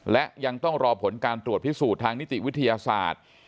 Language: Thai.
และยังต้องรอผลการตรวจพิสูจน์ทางนิติวิทยาศาสตร์